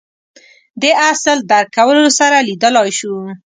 دې اصل درک کولو سره لیدلای شو